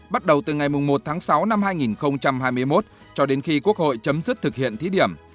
bắt đầu từ ngày một tháng sáu năm hai nghìn hai mươi một cho đến khi quốc hội chấm dứt thực hiện thí điểm